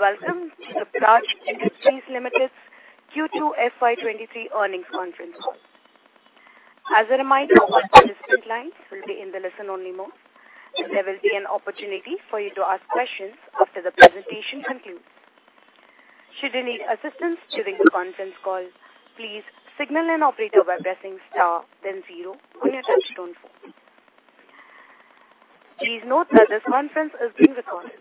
Welcome to the Praj Industries Limited Q2 FY23 earnings conference call. As a reminder, all participant lines will be in the listen-only mode. There will be an opportunity for you to ask questions after the presentation concludes. Should you need assistance during the conference call, please signal an operator by pressing star then zero on your touchtone phone. Please note that this conference is being recorded.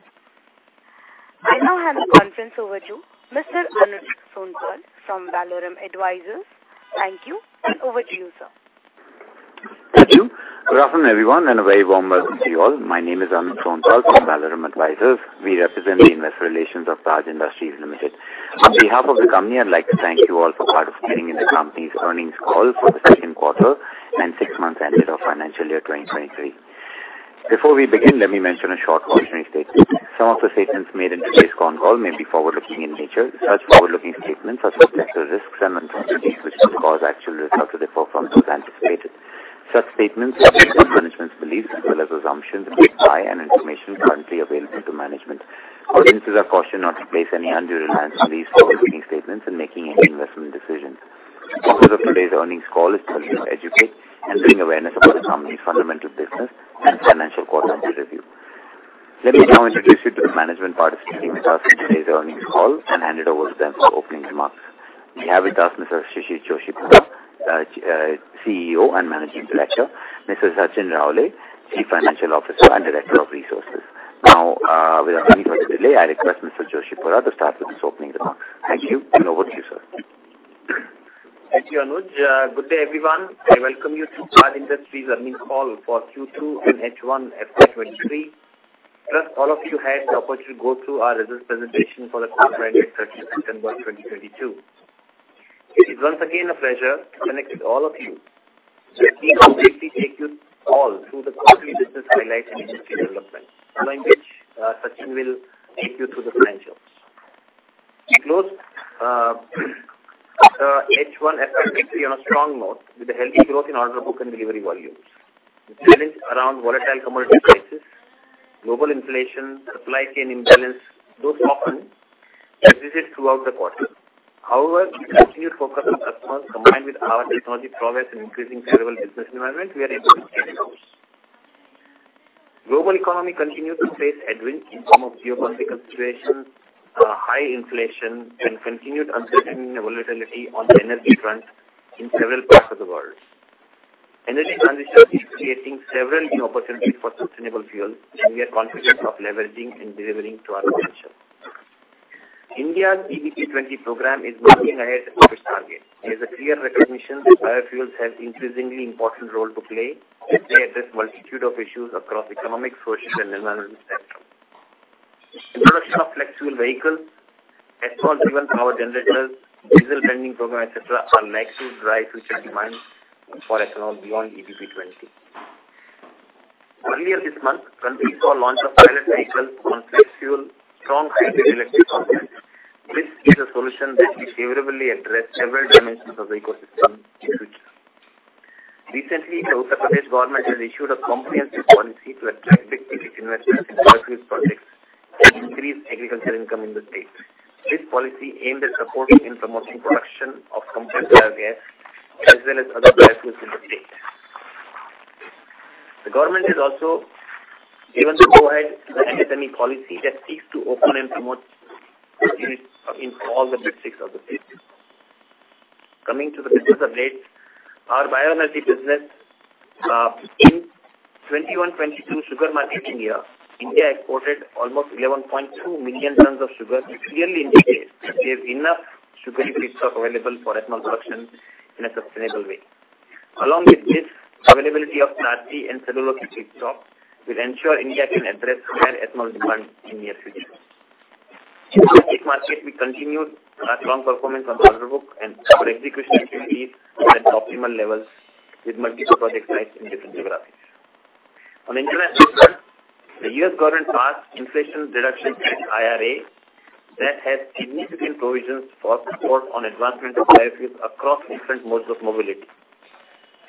I now hand the conference over to Mr. Anuj Sonpal from Valorem Advisors. Thank you and over to you, sir. Thank you. Good afternoon, everyone, and a very warm welcome to you all. My name is Anuj Sonpal from Valorem Advisors. We represent the investor relations of Praj Industries Limited. On behalf of the company, I'd like to thank you all for participating in the company's earnings call for the second quarter and six months ended on financial year 2023. Before we begin, let me mention a short cautionary statement. Some of the statements made in today's call may be forward-looking in nature. Such forward-looking statements are subject to risks and uncertainties which could cause actual results to differ from those anticipated. Such statements are based on management's beliefs as well as assumptions made by and information currently available to management. Audiences are cautioned not to place any undue reliance on these forward-looking statements in making any investment decisions. Purpose of today's earnings call is to educate and bring awareness about the company's fundamental business and financial quarter under review. Let me now introduce you to the management participating with us in today's earnings call and hand it over to them for opening remarks. We have with us Mr. Shishir Joshipura, CEO and Managing Director, Mr. Sachin Raole, Chief Financial Officer and Director of Resources. Now, without any further delay, I request Mr. Shishir Joshipura to start with his opening remarks. Thank you, and over to you, sir. Thank you, Anuj Sonpal. Good day, everyone. I welcome you to Praj Industries earnings call for Q2 and H1 FY23. All of you had the opportunity to go through our business presentation for the quarter ended September 30, 2022. It is once again a pleasure to connect with all of you. Let me briefly take you all through the quarterly business highlights and industry developments, following which, Sachin Raole will take you through the financials. We closed H1 FY23 on a strong note with a healthy growth in order book and delivery volumes. The challenge around volatile commodity prices, global inflation, supply chain imbalance, those often persisted throughout the quarter. However, with continued focus on customers, combined with our technology progress and increasing favorable business environment, we are able to stand out. Global economy continued to face headwinds in form of geopolitical situations, high inflation and continued uncertainty and volatility on the energy front in several parts of the world. Energy transition is creating several new opportunities for sustainable fuels, and we are confident of leveraging and delivering to our potential. India's EBP 20 program is moving ahead of its target. There's a clear recognition that biofuels have increasingly important role to play as they address multitude of issues across economic, social and environmental spectrum. Introduction of flex fuel vehicles, ethanol-driven power generators, diesel blending program, et cetera, are likely to drive future demand for ethanol beyond EBP 20. Earlier this month, country saw launch of pilot vehicle on flex fuel, strong hybrid electric concept. This is a solution that will favorably address several dimensions of the ecosystem in future. Recently, Uttar Pradesh government has issued a comprehensive policy to attract significant investments in biofuel projects to increase agricultural income in the state. This policy aimed at supporting and promoting production of compressed biogas as well as other biofuels in the state. The government has also given the go-ahead to the ethanol policy that seeks to open and promote units in all the districts of the state. Coming to the business updates, our bioenergy business in 2021-2022 sugar marketing year, India exported almost 11.2 million tons of sugar, which clearly indicates that we have enough sugary feedstock available for ethanol production in a sustainable way. Along with this, availability of lignocellulosic feedstock will ensure India can address higher ethanol demand in near future. In the ethanol market, we continued our strong performance on order book, and our execution remains at optimal levels with multi-product sites in different geographies. On international front, the U.S. government passed Inflation Reduction Act, IRA, that has significant provisions for support on advancement of biofuels across different modes of mobility.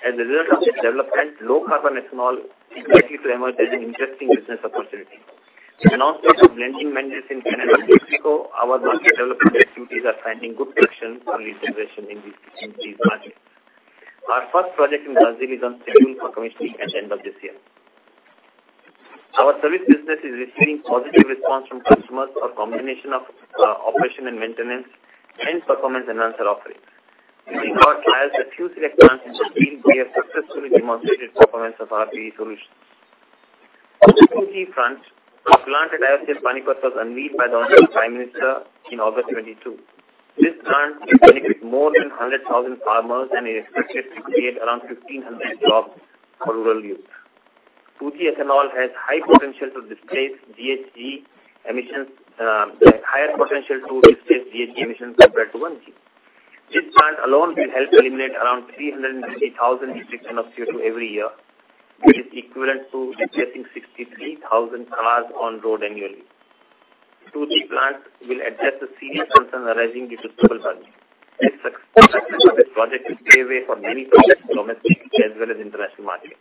As a result of this development, low carbon ethanol is likely to emerge as an interesting business opportunity. With announcement of blending mandates in Canada and Mexico, our market development activities are finding good traction for lead generation in these markets. Our first project in Brazil is on schedule for commissioning at the end of this year. Our service business is receiving positive response from customers for combination of operation and maintenance and performance enhancer offerings. During our trials at a few select plants in Brazil, we have successfully demonstrated performance of RPE solutions. On the 2G front, our plant at IOCL Panipat was unveiled by the Honorable Prime Minister in August 2022. This plant will benefit more than 100,000 farmers and is expected to create around 1,500 jobs for rural youth. 2G ethanol has high potentials of displaced GHG emissions, higher potential to displace GHG emissions compared to 1G. This plant alone will help eliminate around 350,000 metric ton of CO2 every year, which is equivalent to replacing 63,000 cars on road annually. 2G plants will address the serious concern arising due to global warming. The success of this project will pave way for many projects domestically as well as international markets.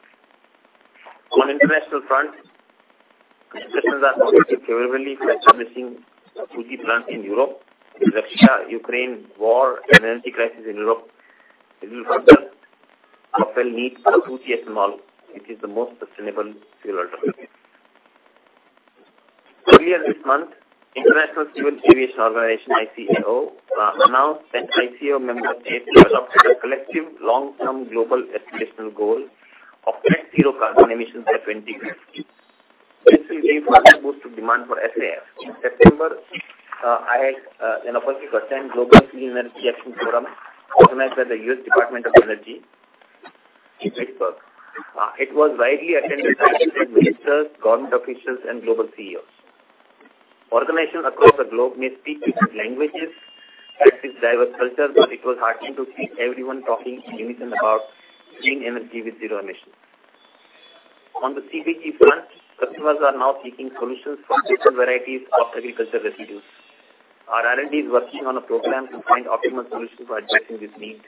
On international front, discussions are progressing favorably for establishing a 2G plant in Europe. With Russia-Ukraine war and energy crisis in Europe, it will further propel need for 2TS model, which is the most sustainable fuel alternative. Earlier this month, International Civil Aviation Organization, ICAO, announced that ICAO member states adopted a collective long-term global aspirational goal of net zero carbon emissions by 2050. This will be further boost to demand for SAF. In September, I had an opportunity to attend Global Clean Energy Action Forum organized by the U.S. Department of Energy in Pittsburgh. It was widely attended by ministers, government officials and global CEOs. Organizations across the globe may speak different languages, practice diverse cultures, but it was heartening to see everyone talking in unison about clean energy with zero emissions. On the CBG front, customers are now seeking solutions for different varieties of agricultural residues. Our R&D is working on a program to find optimal solutions for addressing these needs.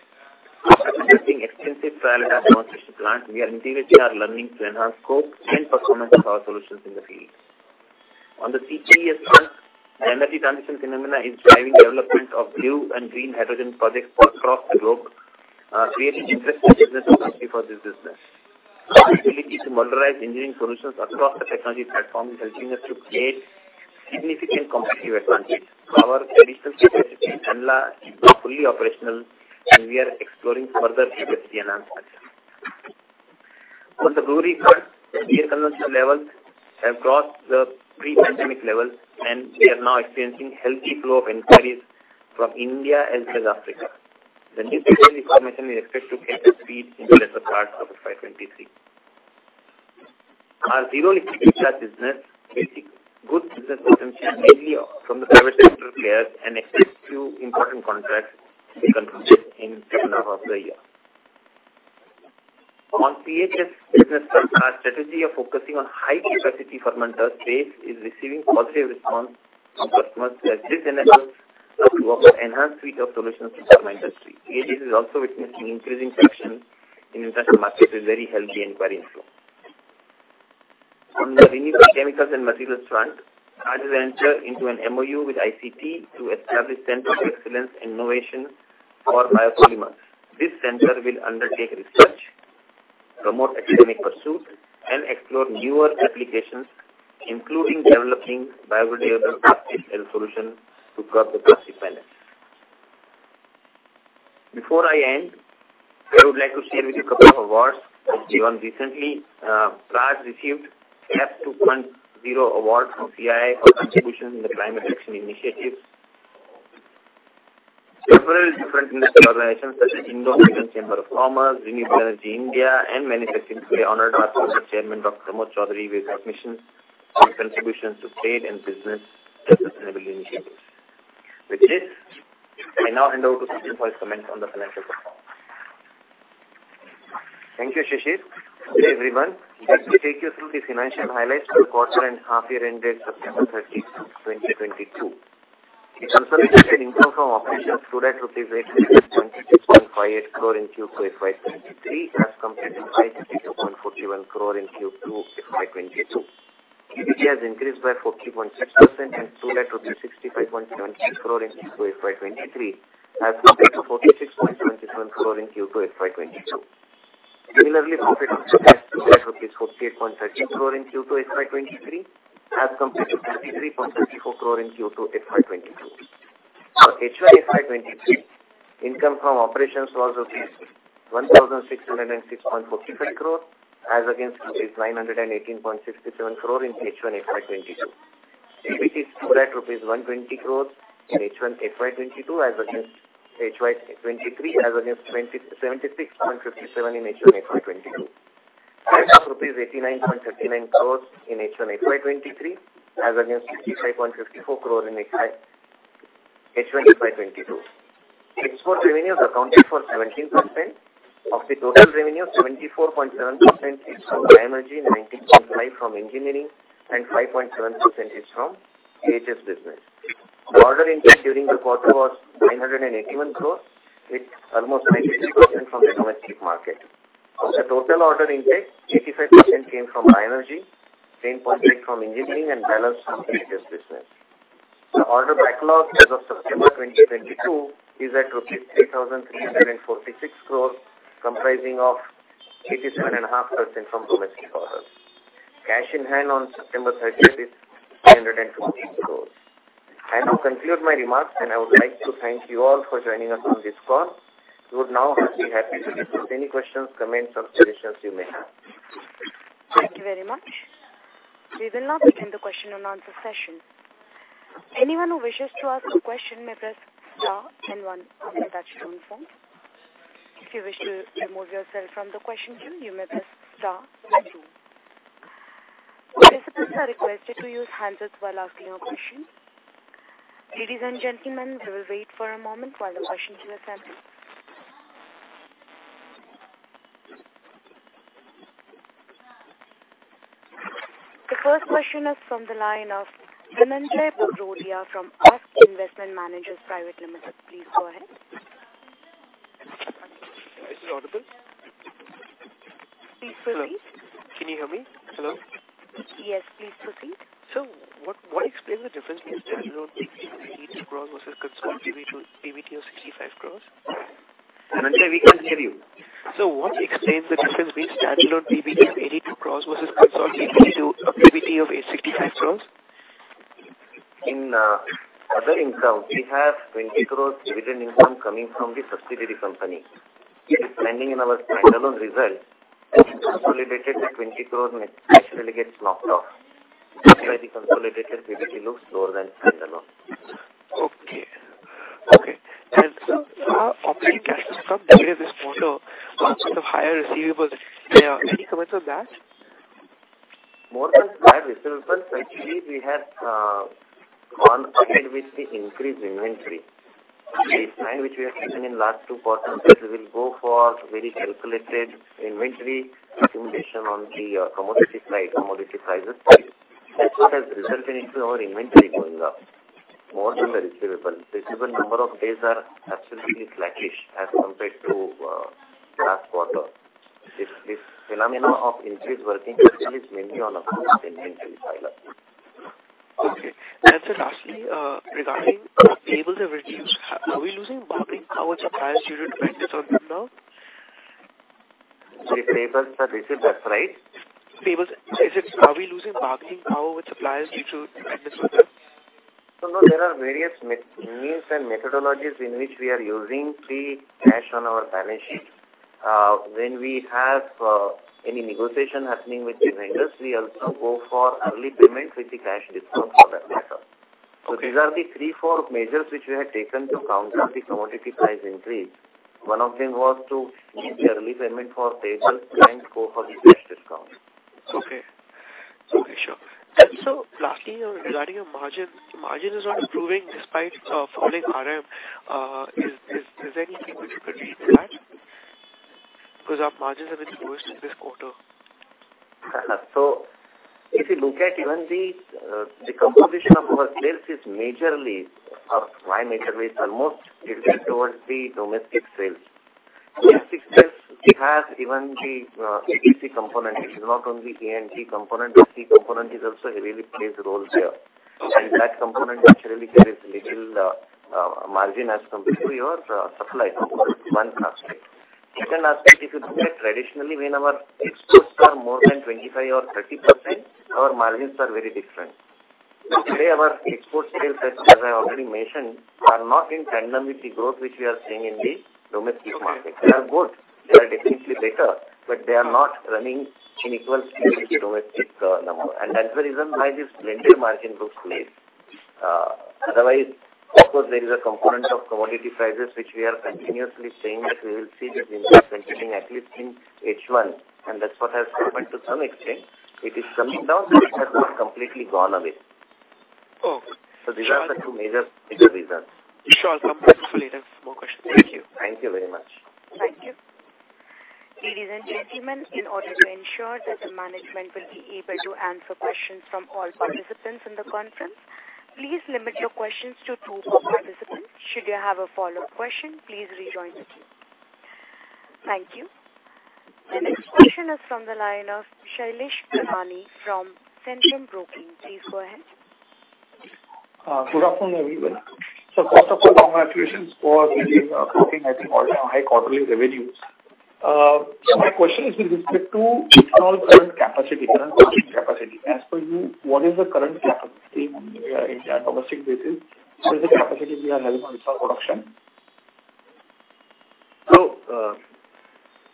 After conducting extensive trial and demonstration plants, we are integrating our learnings to enhance scope and performance of our solutions in the field. On the CBG front, the energy transition phenomena is driving development of blue and green hydrogen projects across the globe, creating interesting business opportunity for this business. Our ability to modularize engineering solutions across the technology platform is helping us to create significant competitive advantage. Our additional capacity in Kandla is now fully operational, and we are exploring further capacity enhancements. On the brewery front, beer consumption levels have crossed the pre-pandemic levels, and we are now experiencing healthy flow of inquiries from India as well as Africa. The new brewery formation is expected to gather speed in the latter part of FY 2023. Our Zero Liquid Discharge business received good business potential mainly from the private sector players and expects few important contracts to be concluded in second half of the year. On PHS business front, our strategy of focusing on high capacity fermenters base is receiving positive response from customers as this enables us to offer enhanced suite of solutions to pharma industry. PHS is also witnessing increasing traction in international markets with very healthy inquiry inflow. On the renewable chemicals and materials front, Praj has entered into an MoU with ICT to establish Parimal and Pramod Chaudhari Center of Excellence and Innovation for Biopolymers. This center will undertake research, promote academic pursuit, and explore newer applications, including developing biodegradable plastics and solutions to curb the plastic menace. Before I end, I would like to share with you a couple of awards that we won recently. Praj received F 2.0 award from CII for contributions to the climate action initiatives. Several different industry organizations such as Indo-American Chamber of Commerce, Renewable Energy India, and many others recently honored our Chairman, Dr. Pramod Chaudhari, with recognition for his contributions to trade and business sustainability initiatives. With this, I now hand over to Mr. Sachin Raole for his comments on the financial performance. Thank you, Shishir Joshipura. Good day, everyone. Let me take you through the financial highlights for the quarter and half year ended September 30, 2022. Consolidated income from operations stood at INR 86.2658 crore in Q2 FY 2023 as compared to INR 52.41 crore in Q2 FY 2022. EBIT has increased by 40.62% and stood at 65.26 crore in Q2 FY23 as compared to 46.27 crore in Q2 FY22. Similarly, profit after tax stood at INR 48.13 crore in Q2 FY23 as compared to 33.34 crore in Q2 FY22. For H1 FY23, income from operations was rupees 1,606.45 crore as against rupees 918.67 crore in H1 FY22. EBIT stood at rupees 120 crore in H1 FY23 as against 76.57 crore rupees in H1 FY22. Cash of rupees 89.59 crores in H1 FY23 as against 65.54 crore in H1 FY22. Export revenue accounted for 17% of the total revenue, 74.7% is from bioenergy, 19.5% from engineering, and 5.7% is from PHS business. The order intake during the quarter was 981 crore with almost 93% from domestic market. Of the total order intake, 85% came from bioenergy, 10.8% from engineering and balance from PHS business. The order backlog as of September 2022 is at INR 3,346 crore, comprising of 87.5% from domestic orders. Cash in hand on September 30 is 314 crore. I now conclude my remarks, and I would like to thank you all for joining us on this call. We would now be happy to address any questions, comments, or suggestions you may have. Thank you very much. We will now begin the question and answer session. Anyone who wishes to ask a question may press star then one on your touchtone phone. If you wish to remove yourself from the question queue, you may press star then two. Participants are requested to use handsets while asking a question. Ladies and gentlemen, we will wait for a moment while the questions are sent in. The first question is from the line of Dhananjai Bagrodia from Ask Investment Managers Private Limited. Please go ahead. Is it audible? Please proceed. Can you hear me? Hello. Yes, please proceed. What explains the difference between standalone PBT of 82 crores versus consolidated PBT of 65 crores? Dhananjai, we can't hear you. What explains the difference between standalone PBT of 82 crore versus consolidated PBT of 65 crore? In other income, we have 20 crore dividend income coming from the subsidiary company. It is pending in our standalone result. Consolidated, too, 20 crore naturally gets knocked off. That's why the consolidated PBT looks lower than standalone. Okay. Operating cash flow from during this quarter, lots of higher receivables. Can you comment on that? More than higher receivables, actually we have gone ahead with the increased inventory. The plan which we have taken in last two quarters, we will go for very calculated inventory accumulation on the commodity prices side. That's what has resulted into our inventory going up. More than the receivable. Receivable number of days are absolutely sluggish as compared to last quarter. This phenomenon of increased working capital is mainly on account of inventory side. Okay. Lastly, regarding payables and receivables, are we losing bargaining power with suppliers due to excess of them now? The payables are receivables, right? Payables. Are we losing bargaining power with suppliers due to excess of them? No, there are various mechanisms and methodologies in which we are using the cash on our balance sheet. When we have any negotiation happening with the vendors, we also go for early payment with the cash discount for that matter. These are the three, four measures which we have taken to counter the commodity price increase. One of them was to give the early payment for payables and go for the cash discount. Lastly, regarding your margins, margin is not improving despite falling RM. Is there anything which you could read into that? Because our margins have been worst in this quarter. If you look at even the composition of our sales is mainly almost tilted towards the domestic sales. Domestic sales, it has even the EPC component. It is not only E&C component. EPC component is also heavily plays role here. That component naturally there is little margin as compared to your suppliers, one aspect. Second aspect, if you look at traditionally when our exports are more than 25% or 30%, our margins are very different. Today our export sales, as I already mentioned, are not in tandem with the growth which we are seeing in the domestic market. They are good. They are definitely better, but they are not running in equal speed with the domestic number. That's the reason why this blended margin looks low. Otherwise, of course, there is a component of commodity prices which we are continuously saying that we will see this impact continuing at least in H1, and that's what has happened to some extent. It is coming down, but it has not completely gone away. Okay. These are the two major reasons. Sure. I'll come back to you later with more questions. Thank you. Thank you very much. Thank you. Ladies and gentlemen, in order to ensure that the management will be able to answer questions from all participants in the conference, please limit your questions to two per participant. Should you have a follow-up question, please rejoin the queue. Thank you. The next question is from the line of Shailesh Kanani from Centrum Broking. Please go ahead. Good afternoon, everyone. First of all, congratulations for delivering bookings, I think, on high quarterly revenues. My question is with respect to installed current capacity, current production capacity. As per you, what is the current capacity on an Indian domestic basis? What is the capacity we are having on installed production?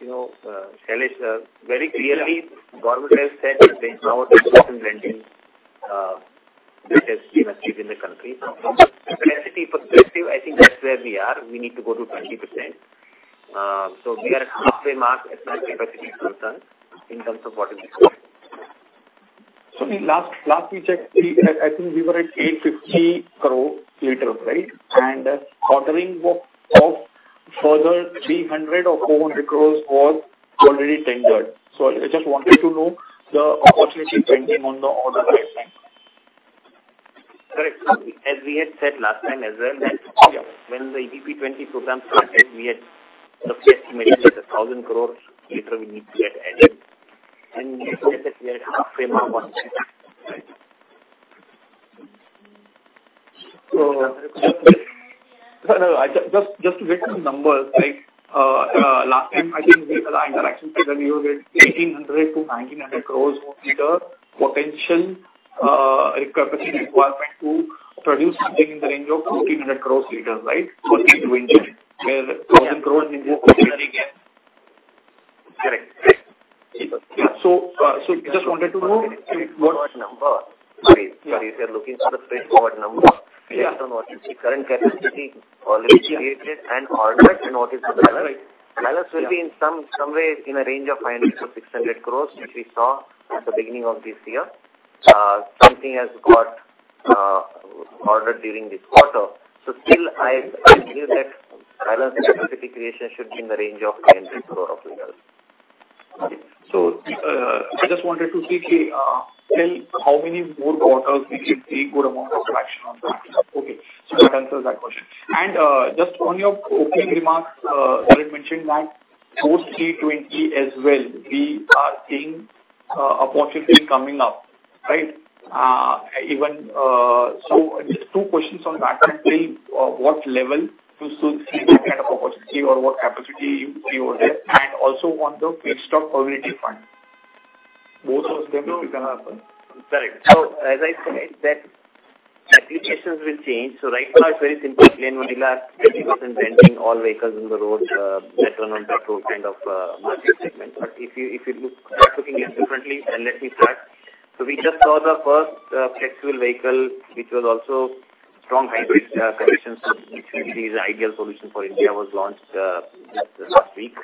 You know, Shailesh, very clearly, Garvit has said that there is now 1,000 KLPD which has been achieved in the country. From the capacity perspective, I think that's where we are. We need to go to 20%. We are at halfway mark as far as capacity is concerned in terms of what is required. In last we checked, I think we were at 850 crore liters, right? Ordering was of further 300 or 400 crores was already tendered. I just wanted to know the opportunity pending on the order pipeline. Correct. As we had said last time as well that. Yeah. When the EBP 20 program started, we had roughly estimated that 1,000 crore liters we need to get added. We have said that we are at halfway mark on it. Right. Just to get some numbers, right? Last time, I think we had an interaction where you said INR 1,800 crore-INR 1,900 crore worth of the potential capacity requirement to produce something in the range of 1,400 crore liters, right? For EBP 20. Where 1,000 crores is more potential gap. Correct. Just wanted to know. One minute. Straightforward number. Sorry. If you're looking for the straightforward number based on what is the current capacity already created and ordered and what is the balance. Right. Yeah. Balance will be in some ways in a range of 500-600 crores, which we saw at the beginning of this year. Something has got ordered during this quarter. Still I believe that balance capacity creation should be in the range of eight- I just wanted to tell how many more quarters we should see good amount of traction on that. Okay. That answers that question. Just on your opening remarks, you had mentioned that post E20 as well, we are seeing opportunity coming up, right? Just two questions on that. One, till what level do you see that kind of opportunity or what capacity you forecast? And also on the feedstock availability front. Both of them, if you can answer. Correct. As I said that applications will change. Right now it's very simple, plain vanilla, 20% blending all vehicles on the road, ethanol-petrol kind of market segment. If you look, start looking differently, and let me start. We just saw the first flex fuel vehicle, which was also strong hybrid connections. Essentially is the ideal solution for India, was launched just last week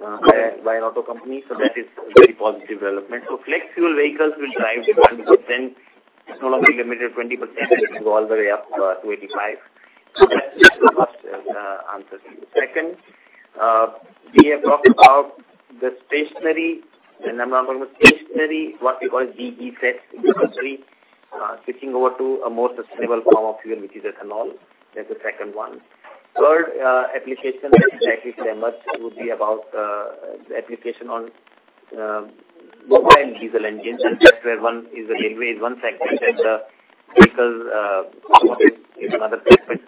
by an auto company. That is very positive development. Flex fuel vehicles will drive 100%. It's no longer limited 20%. It will go all the way up to 85%. That's the first answer to you. Second, we have talked about the stationary, the number one was stationary. What we call DG sets industry, switching over to a more sustainable form of fuel, which is ethanol. That's the second one. Third, application that will actually emerge would be about, the application on, mobile and diesel engines, and that's where one is the railway is one sector and, vehicles, is another segment.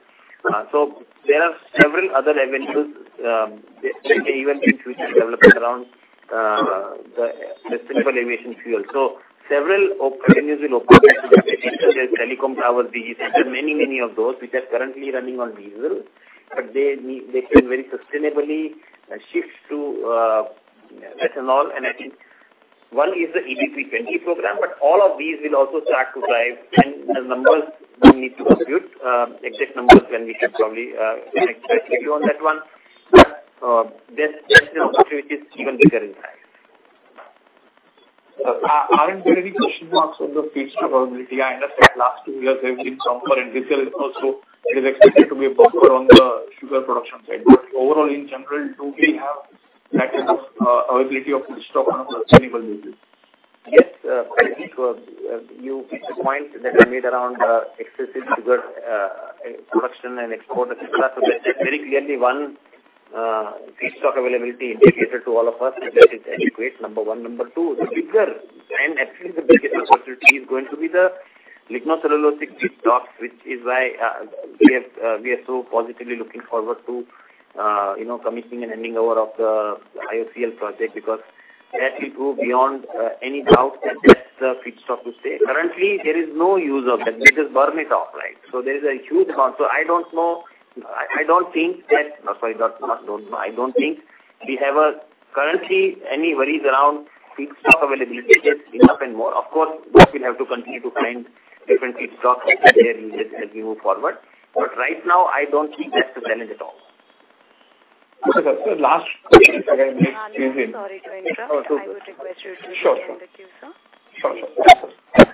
So there are several other avenues, that may even in future develop around, the sustainable aviation fuel. Several opportunities will open up, such as telecom towers, data centers, many of those which are currently running on diesel. But they need, they can very sustainably shift to, ethanol. I think one is the EBP 20 program. All of these will also start to drive, and the numbers we need to compute, exact numbers when we should probably connect directly to you on that one. There's an opportunity is even bigger in that. Aren't there any question marks on the feedstock availability? I understand last two years there has been some plentiful. It is expected to be a buffer on the sugar production side. Overall in general, do we have that kind of availability of feedstock on a sustainable basis? Yes, I think you hit the point that I made around excessive sugar production and export et cetera. That is very clearly one feedstock availability indicator to all of us is that it's adequate, number one. Number two, the bigger and actually the biggest opportunity is going to be the lignocellulosic feedstocks, which is why we are so positively looking forward to you know, committing and handing over of the IOCL project because that will go beyond any doubt that that's the feedstock to stay. Currently there is no use of that. We just burn it off, right? There is a huge amount. I don't think we have currently any worries around feedstock availability. There's enough and more. Of course, we will have to continue to find different feedstocks as we move forward. Right now, I don't see that's the challenge at all. Mr. Kanani, last question again, please. I'm sorry to interrupt. I would request you to begin the queue, sir. Sure.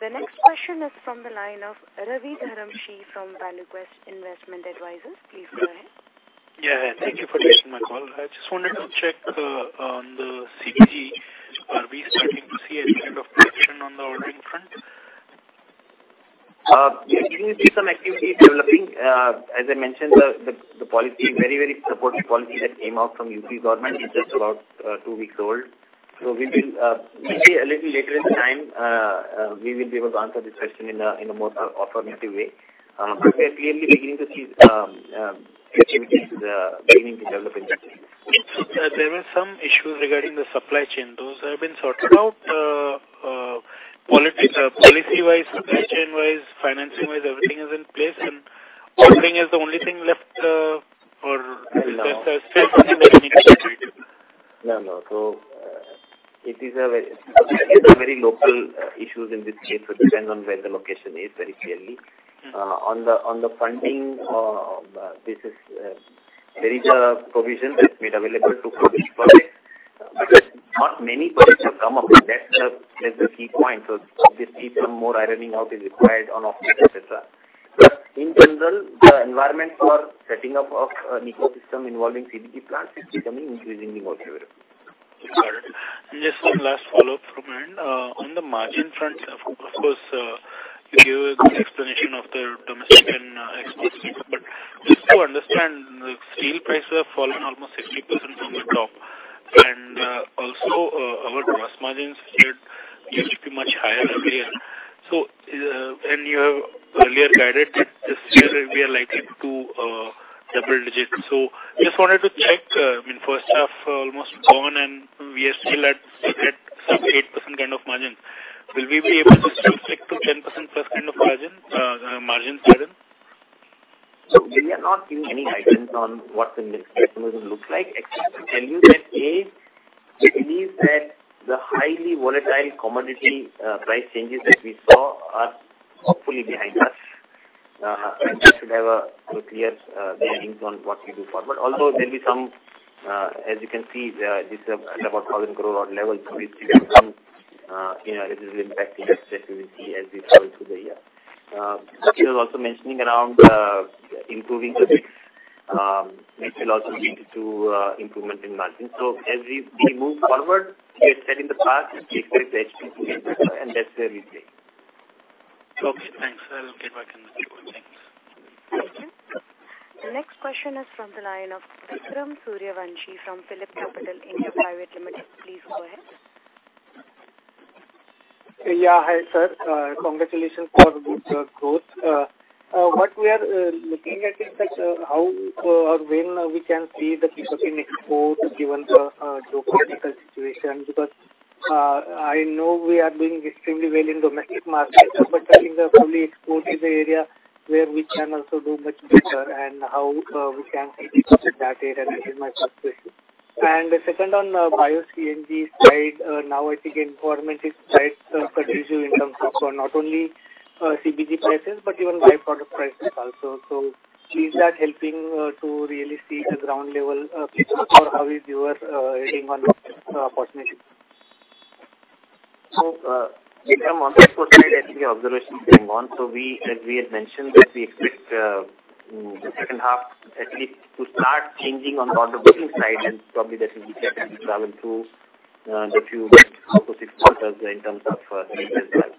The next question is from the line of Ravi Dharamshi from ValueQuest Investment Advisors. Please go ahead. Yeah. Thank you for taking my call. I just wanted to check on the CBG. Are we starting to see any kind of traction on the ordering front? We are beginning to see some activity developing. As I mentioned, the very, very supportive policy that came out from UP government is just about two weeks old. We will, maybe a little later in time, be able to answer this question in a more affirmative way. We are clearly beginning to see activities beginning to develop in that space. There were some issues regarding the supply chain. Those have been sorted out. Policy-wise, supply chain-wise, financing-wise, everything is in place, and ordering is the only thing left. No. The sales to begin, right? No, no. It is a very local issues in this case. It depends on where the location is very clearly. On the funding, there is a provision that's made available to public-private. Not many projects have come up, and that's the key point. Obviously some more ironing out is required on offtake, et cetera. In general, the environment for setting up an ecosystem involving CBG plants is becoming increasingly more favorable. Got it. Just one last follow-up from my end. On the margin front, of course, you gave an explanation of the domestic and export business. Just to understand, the steel prices have fallen almost 60% from the top. Also, our gross margins here used to be much higher earlier. You have earlier guided that this year we are likely to double digits. Just wanted to check, I mean, first half almost gone, and we are still at some 8% kind of margin. Will we be able to still stick to 10% plus kind of margin guidance? We are not giving any guidance on what the next quarter will look like. I can tell you that, A, we believe that the highly volatile commodity price changes that we saw are hopefully behind us. That should have a clear bearing on what we do forward. Although there'll be some, as you can see, this is about 1,000 crore odd level. It's still some, you know, this is impacting flexibility as we go through the year. Sachin was also mentioning around improving the mix, which will also lead to improvement in margin. As we move forward, we are setting the path and take those actions to get there, and that's where we stay. Okay, thanks. I will get back in touch. Thanks. Thank you. The next question is from the line of Vikram Suryavanshi from Phillip Capital India Private Limited. Please go ahead. Yeah. Hi, sir. Congratulations for good growth. What we are looking at is that, how, when we can see the pickup in export given the geopolitical situation, because I know we are doing extremely well in domestic markets. Yeah. I think the fuel export is the area where we can also do much better and how we can see the growth in that area. This is my first question. The second on Bio-CNG side, now I think environment is quite conducive in terms of not only CBG prices, but even by-product prices also. So is that helping to really see the ground level pickup or how is your reading on this opportunity? Vikram, on the export side, I think the observation is going on. As we had mentioned that we expect, the second half at least to start changing on the order booking side, and probably that will be reflected in the revenue through the few quarters in terms of the results.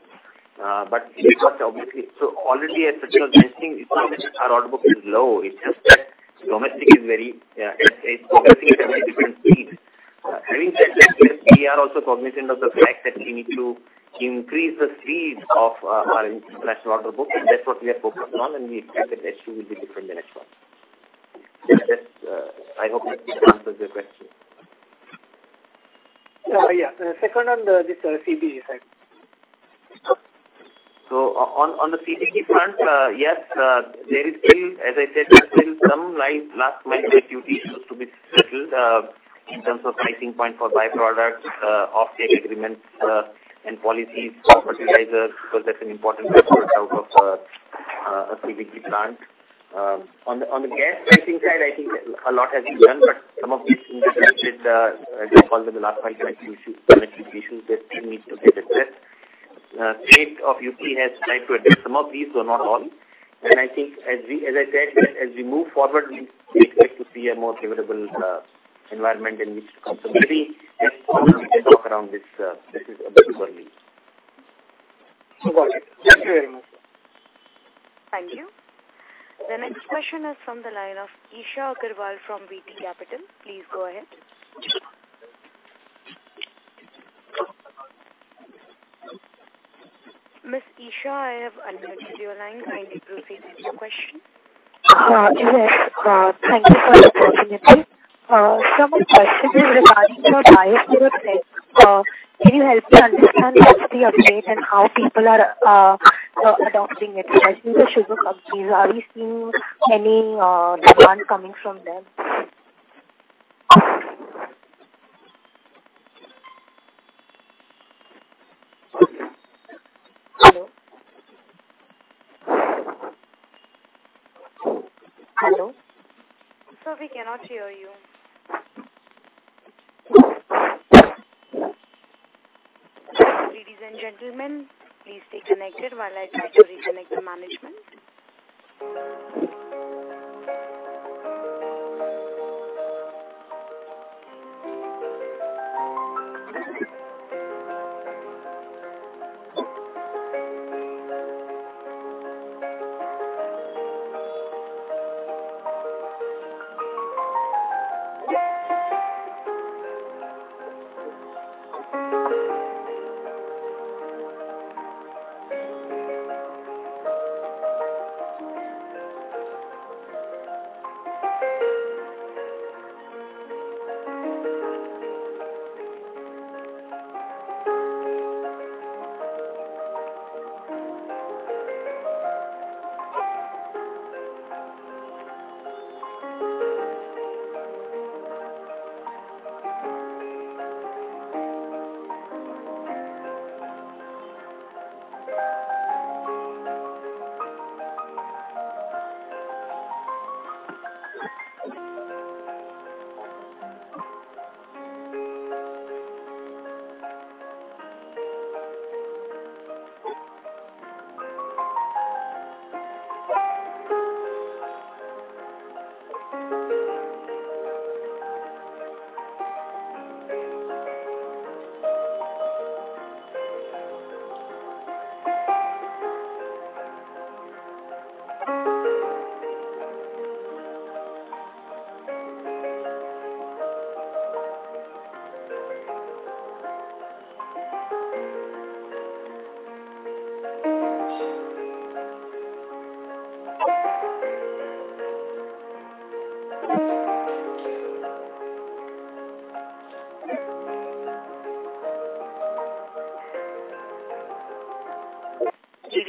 But because obviously, already as Sachin was mentioning, it's not that our order book is low. It's just that domestic is very, it's domestic is at a very different speed. Having said that, we are also cognizant of the fact that we need to increase the speed of our international order book, and that's what we are focused on, and we expect that H2 will be different than H1. That's, I hope that answers your question. Yeah. Second on the CBG side. On the CBG front, there is still, as I said, there are still some last mile duty issues to be settled, in terms of pricing point for by-products, offtake agreements, and policies for fertilizer, because that's an important by-product out of a CBG plant. On the gas pricing side, I think a lot has been done, but some of these interconnected, as I call them the last mile pricing issues, connectivity issues that still need to get addressed. State of UP has tried to address some of these, though not all. I think as I said, as we move forward, we expect to see a more favorable environment in which to operate. Maybe next quarter we can talk around this a bit more. No problem. Thank you very much. Thank you. The next question is from the line of Isha Agarwal from VT Capital. Please go ahead. Ms. Isha, I have unmuted your line. Kindly proceed with your question. Yes. Thank you for the opportunity. Some of the questions regarding your Bio-CNG. Can you help me understand what's the update and how people are adopting it, especially the sugar companies? Are we seeing any demand coming from them? Hello? Hello? Sir, we cannot hear you. Ladies and gentlemen, please stay connected while I try to reconnect the management.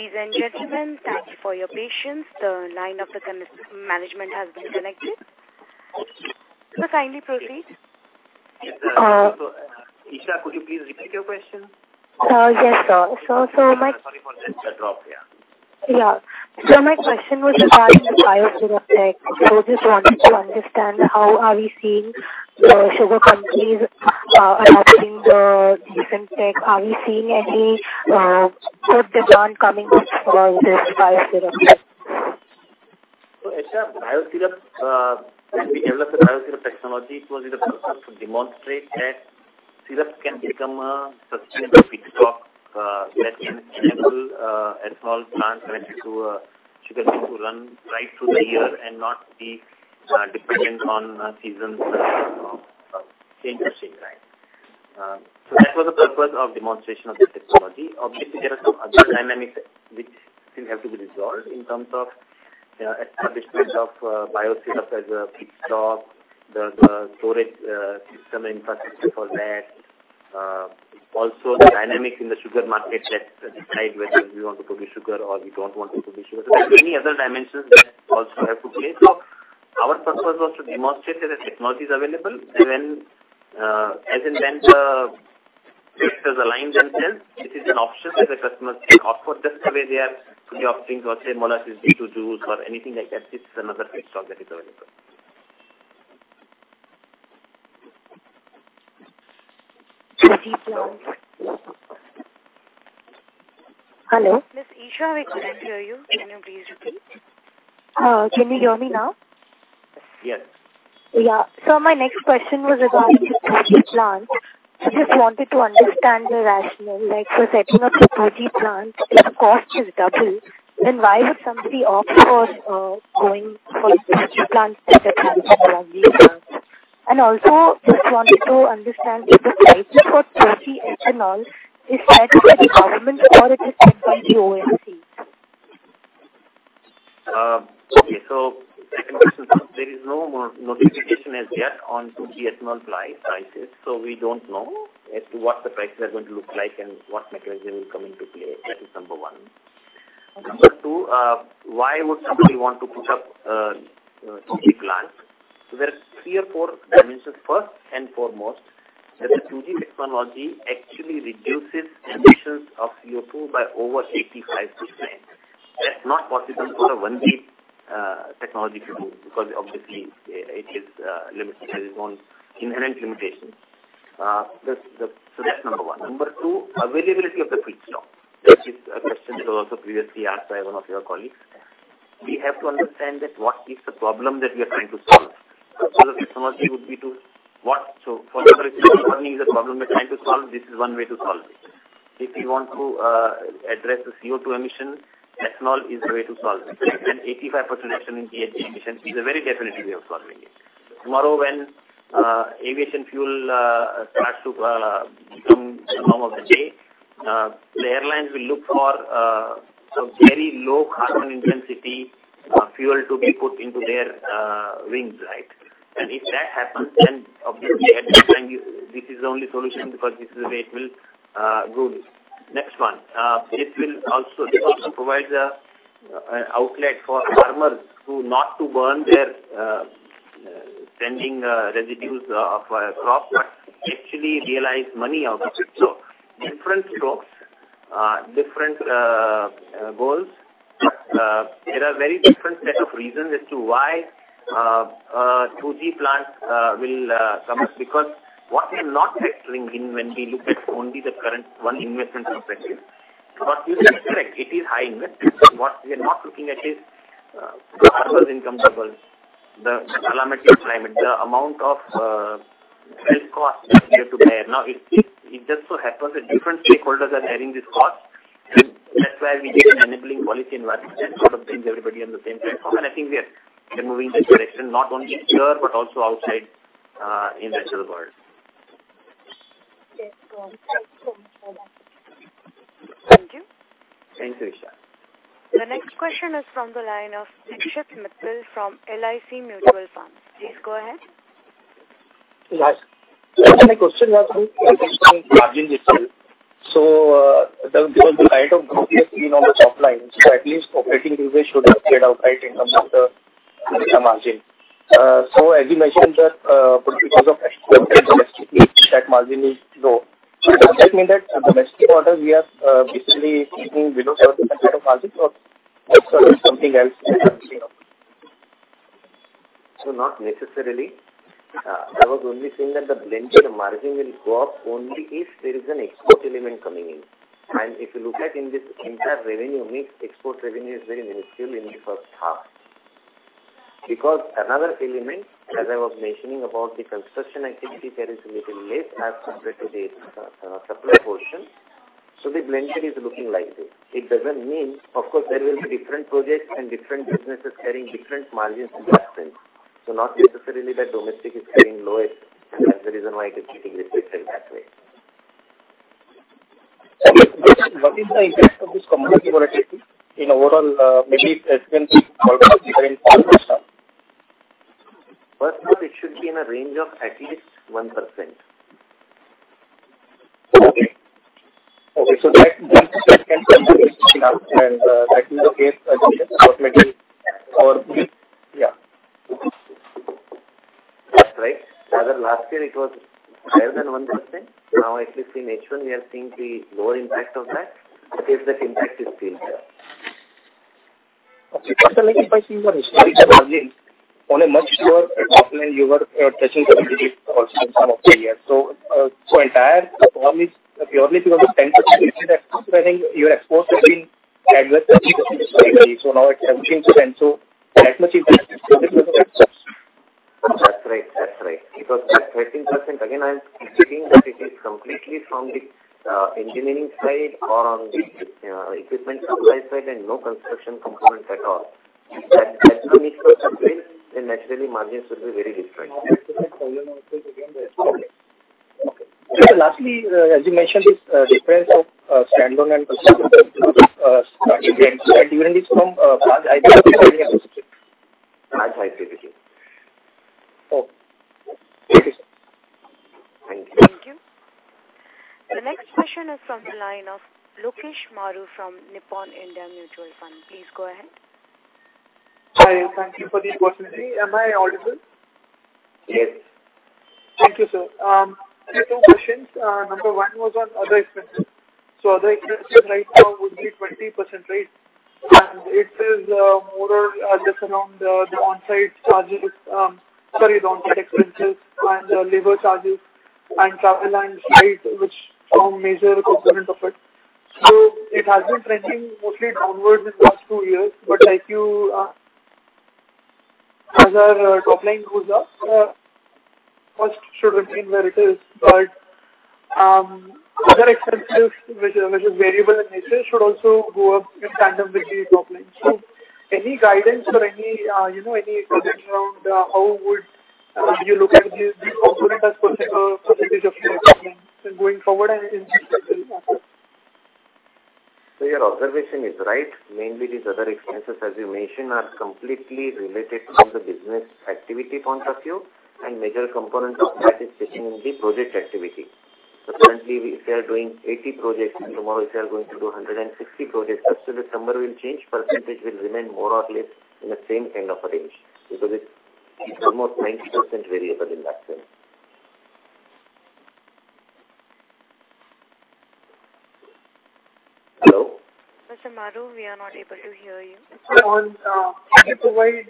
Ladies and gentlemen, thank you for your patience. Management has been connected. Sir, kindly proceed. Esha, could you please repeat your question? Yes, sir. Sorry for the drop, yeah. Yeah. My question was regarding the BIOSYRUP® tech. I just wanted to understand how are we seeing sugar companies adopting the different tech. Are we seeing any good demand coming for this BIOSYRUP® tech? Isha, when we developed the BIOSYRUP® technology, it was with a purpose to demonstrate that syrup can become a sustainable feedstock, that can enable ethanol plant connected to sugar plant to run right through the year and not be dependent on seasons, you know, change of season, right? That was the purpose of demonstration of this technology. Obviously, there are some other dynamics which still have to be resolved in terms of, you know, establishment of BIOSYRUP® as a feedstock, the storage system infrastructure for that. Also the dynamics in the sugar market that decide whether we want to produce sugar or we don't want to produce sugar. There are many other dimensions that also have to play. Our purpose was to demonstrate that the technology is available. When, as and when the factors align themselves, this is an option that the customers can opt for, just the way they are putting options or say molasses, B-heavy molasses or anything like that. It's another feedstock that is available. Hello? Miss Isha, we couldn't hear you. Can you please repeat? Can you hear me now? Yes. Yeah. My next question was regarding the 2G plants. I just wanted to understand the rationale, like for setting up 2G plants, if the cost is double, then why would somebody opt for going for 2G plants instead of having a 1G plant? And also just wanted to understand if the prices for 2G ethanol is decided by the government or it is set by the OMC? Second question first. There is no notification as yet on 2G ethanol prices. We don't know as to what the prices are going to look like and what mechanism will come into play. That is number one. Okay. Number 2, why would somebody want to put up a 2G plant? There are 3 or 4 dimensions. First and foremost, that the 2G technology actually reduces emissions of CO2 by over 85%. That's not possible for a 1G technology to do because obviously, it is limited, has its own inherent limitations. That's number 1. Number 2, availability of the feedstock. That is a question that was also previously asked by one of your colleagues. We have to understand that what is the problem that we are trying to solve. The technology would be to what. For example, if energy is a problem we're trying to solve, this is one way to solve it. If we want to address the CO2 emission, ethanol is the way to solve it. 85% reduction in GHG emission is a very definitive way of solving it. Tomorrow, when aviation fuel starts to become the norm of the day, the airlines will look for some very low carbon intensity fuel to be put into their wings, right? If that happens, then obviously at that time, this is the only solution because this is the way it will go. Next one, this also provides an outlet for farmers to not to burn their standing residues of crops, but actually realize money out of it. Different scopes, different goals. There are very different set of reasons as to why 2G plants will come up. Because what we are not factoring in when we look at only the current one investment perspective. What you said is correct, it is high investment. What we are not looking at is, farmer's income levels, the calamity of climate, the amount of, health costs that we have to bear. Now, it just so happens that different stakeholders are bearing this cost. That's why we need an enabling policy environment that sort of brings everybody on the same platform. I think we are moving in that direction, not only here but also outside, in rest of the world. Yes. Got it. Thanks so much for that. Thank you. Thanks, Esha. The next question is from the line of Dikshit Mittal from LIC Mutual Fund. Please go ahead. Yes. My question was on margin itself. There was a kind of growth we have seen on the top line. At least operating leverage should have played out right in terms of the margin. As you mentioned that, but because of export and domestic mix, that margin is low. Does that mean that the domestic orders we are basically keeping below 7% margin or is there something else that I'm missing out? Not necessarily. I was only saying that the blended margin will go up only if there is an export element coming in. If you look at the entire revenue mix, export revenue is very minuscule in the first half. Because another element, as I was mentioning about the construction activity, there is a little late as compared to the supply portion. The blended is looking like this. It doesn't mean. Of course, there will be different projects and different businesses carrying different margins. Not necessarily that domestic is carrying lowest and that's the reason why it is getting reflected that way. Just what is the impact of this commodity volatility on overall, maybe it's been observed during first half? First half it should be in a range of at least 1%. Okay. That can contribute enough and that is the case. I think that's what made it our belief. Last year it was higher than 1%. Now at least in H1 we are seeing the lower impact of that because that impact is still there. Like if I see your history on a much lower top line, you were touching 78% some of the years. Entire only purely because of 10% your exposure has been at least 30%. Now it's 17%, so that much impact. That's right. Because that 13%, again, I'm excluding that it is completely from the engineering side or on the equipment supply side, and no construction components at all. That and naturally margins will be very different. Lastly, as you mentioned, this difference of standalone and during this from. That's my takeaway. Oh, okay. Thank you. Thank you. The next question is from the line of Lokesh Maru from Nippon India Mutual Fund. Please go ahead. Hi. Thank you for the opportunity. Am I audible? Yes. Thank you, sir. I have two questions. Number one was on other expenses. Other expenses right now would be 20%, right? It is more or less around the on-site expenses and the labor charges and travel and site, which form major component of it. It has been trending mostly downwards in the last two years. Like you, as our top line goes up, cost should remain where it is. Other expenses which are variable in nature should also go up in tandem with the top line. Any guidance or you know any thought around how would you look at this component as % of your top line going forward and in future as well? Your observation is right. Mainly these other expenses, as you mentioned, are completely related to the business activity point of view, and major component of that is sitting in the project activity. Currently, if we are doing 80 projects, and tomorrow if we are going to do 160 projects, absolute number will change, percentage will remain more or less in the same kind of a range because it's almost 90% variable in that sense. Hello? Mr. Maru, we are not able to hear you. Sir, can you provide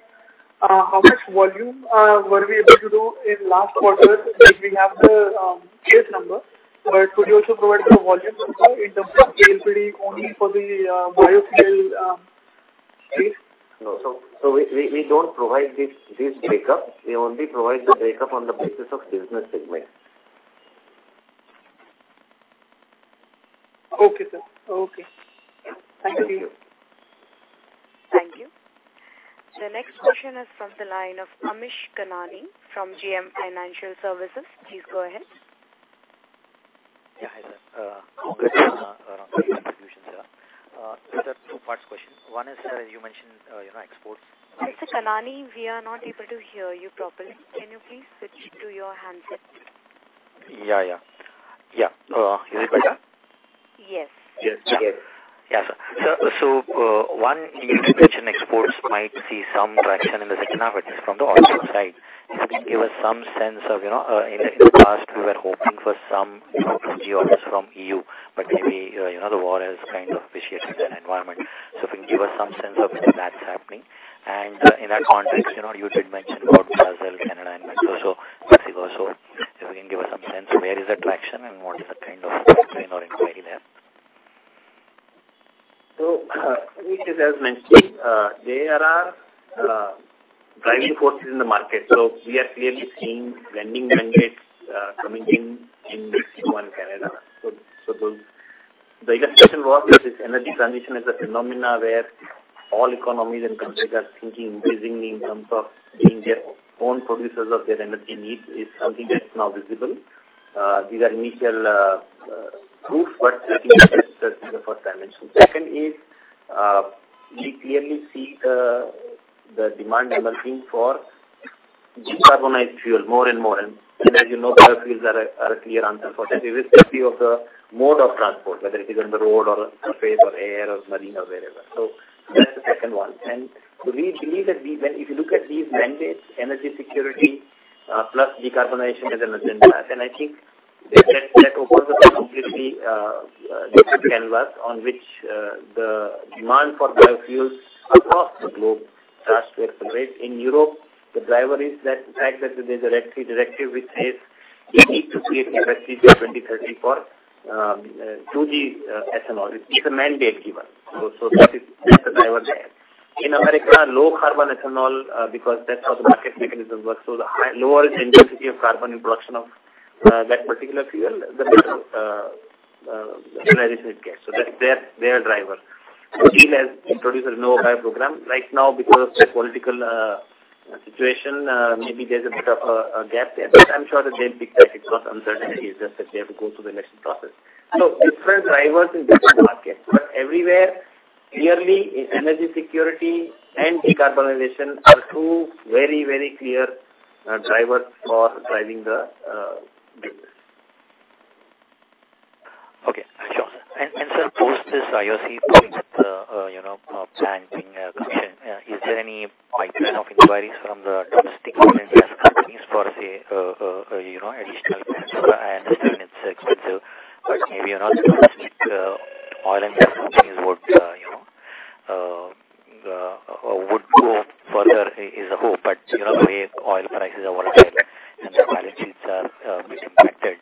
how much volume were we able to do in last quarter? Like, we have the case number, but could you also provide the volume number in terms of KLPD only for the biofuel, please? No. We don't provide this breakup. We only provide the breakup on the basis of business segments. Okay, sir. Okay. Thank you. Thank you. The next question is from the line of Amish Kanani from JM Financial Services. Please go ahead. Hi, sir. Congrats on your contributions here. So there are two-part question. One is, you mentioned, you know, exports- Mr. Kanani, we are not able to hear you properly. Can you please switch to your handset? Yeah, yeah. Yeah. Is it better? Yes. Yes. We hear. Yeah. Yeah, sir. One, you mentioned exports might see some traction in the second half, at least from the order side. If you can give us some sense of, you know, in the past we were hoping for some, you know, orders from EU, but maybe, you know, the war has kind of vitiated that environment. If you can give us some sense of whether that's happening. In that context, you know, you did mention about Brazil, Canada and Mexico, so Mexico. If you can give us some sense of where is the traction and what is the kind of inquiry there? I mean, just as mentioned, they are our driving forces in the market. We are clearly seeing blending mandates coming in in Mexico and Canada. The expectation was that this energy transition is a phenomenon where all economies and countries are thinking increasingly in terms of being their own producers of their energy needs is something that's now visible. These are initial proof, but I think that's the first dimension. Second is, we clearly see the demand emerging for decarbonized fuel more and more. As you know, biofuels are a clear answer for that, irrespective of the mode of transport, whether it is on the road or surface or air or marine or wherever. That's the second one. We believe that if you look at these mandates, energy security plus decarbonization is an agenda. I think that opens up a completely different canvas on which the demand for biofuels across the globe starts to accelerate. In Europe, the driver is the fact that there's a directive which says you need to create a recipe by 2030 for 2G ethanol. It is a mandate given. That is the driver there. In America, low carbon ethanol because that's how the market mechanism works. The lower the intensity of carbon in production of that particular fuel, the better realization it gets. That's their driver. China has introduced a E10 blending program. Right now, because of the political situation, maybe there's a bit of a gap there. I'm sure that they'll pick that because uncertainty is just that they have to go through the election process. Different drivers in different markets, but everywhere clearly, energy security and decarbonization are two very, very clear drivers for driving the demand. Just this IOC plant, planning question. Is there any migration of inquiries from the domestic Indian companies for, say, additional plants? I understand it's expensive, but maybe oil and gas companies would go further is a hope. The way oil prices are volatile and the balance sheets are being impacted.